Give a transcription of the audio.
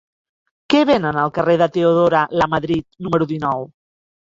Què venen al carrer de Teodora Lamadrid número dinou?